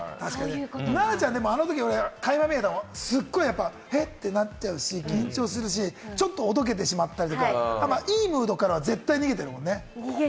奈々ちゃん、あの時に垣間見えたのはやっぱり、ってなっちゃうし、緊張するし、ちょっとおどけてしまったりとか、いいムードからは絶対逃げてるもんね。